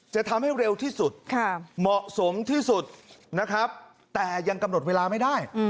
จะทำให้เร็วที่สุดเหมาะสมที่สุดนะครับแต่ยังกำหนดเวลาไม่ได้